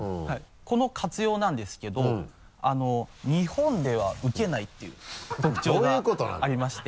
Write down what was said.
この活用なんですけど「日本ではウケない」っていう特徴がありまして。